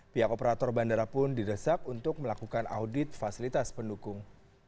pihak operator bandara pun didesak untuk melakukan audit fasilitas pendukung